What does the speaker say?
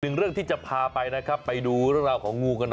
หนึ่งเรื่องที่จะพาไปนะครับไปดูเรื่องราวของงูกันหน่อย